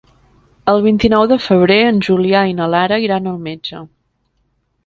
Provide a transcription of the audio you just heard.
El vint-i-nou de febrer en Julià i na Lara iran al metge.